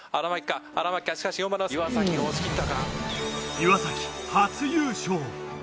岩崎、初優勝。